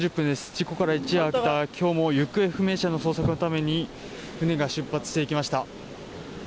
事故から一夜明けたきょうも行方不明者の捜索のために船が出発していきました。